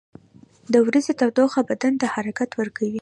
• د ورځې تودوخه بدن ته حرکت ورکوي.